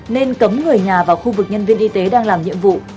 nên cấm người nhà vào khu vực nhân viên y tế đang làm nhiệm vụ